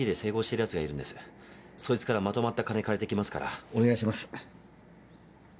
そいつからまとまった金借りてきますからお願いします。